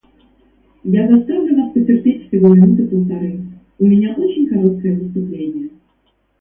Я заставлю вас потерпеть всего минуты полторы, у меня очень короткое выступление.